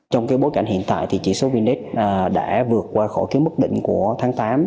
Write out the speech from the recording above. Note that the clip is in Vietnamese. trong bối cảnh hiện tại chỉ số vn index đã vượt qua khỏi mức định của tháng tám